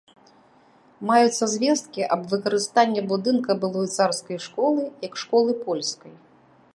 Маюцца звесткі аб выкарыстанні будынка былой царскай школы як школы польскай.